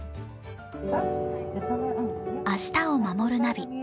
「明日をまもるナビ」。